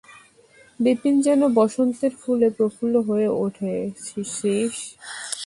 বিপিন যেন বসন্তের ফুলে প্রফুল্ল হয়ে ওঠে– শ্রীশ।